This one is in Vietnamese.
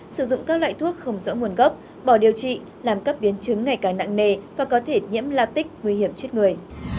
sử dụng các loại thuốc không rõ nguồn gốc bỏ điều trị làm các biến chứng ngày càng nặng nề và có thể nhiễm latic nguy hiểm chết người